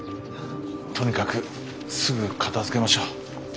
とにかくすぐ片づけましょう。